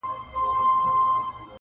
دا غزل مي رندانه او صوفیانه دی,